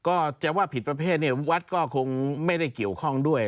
ก็จะว่าผิดประเภทเนี่ยวัดก็คงไม่ได้เกี่ยวข้องด้วย